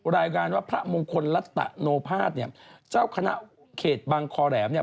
รายงานว่าพระมงคลรัตตะโนภาษเนี่ยเจ้าคณะเขตบังคอแหลมเนี่ย